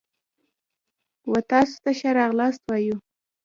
و تاسو ته ښه راغلاست وایو.